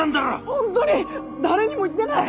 ホントに誰にも言ってない！